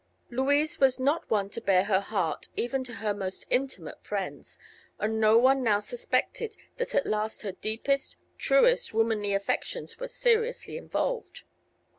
Louise was not one to bare her heart, even to her most intimate friends, and no one now suspected that at last her deepest, truest womanly affections were seriously involved.